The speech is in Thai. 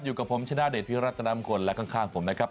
อยู่กับผมชนะเดชน์พี่รัฐนำคนและข้างผมนะครับ